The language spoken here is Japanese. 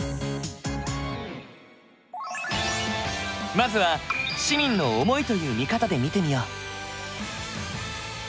まずは市民の思いという見方で見てみよう。